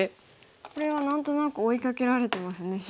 これは何となく追いかけられてますね白。